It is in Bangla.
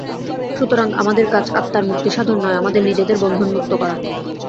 সুতরাং আমাদের কাজ আত্মার মুক্তিসাধন নয়, আমাদের নিজেদের বন্ধনমুক্ত করা।